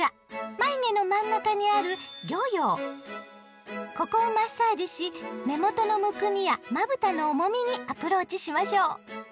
眉毛の真ん中にあるここをマッサージし目元のむくみやまぶたの重みにアプローチしましょう。